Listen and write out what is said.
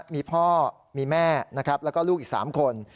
มีพ่อมีแม่แล้วก็ลูกอีก๓คน